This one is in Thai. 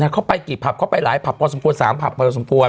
เขาไปกี่ผับเข้าไปหลายผับพอสมควร๓ผับพอสมควร